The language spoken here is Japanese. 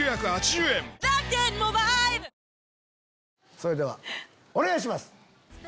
それではお願いします。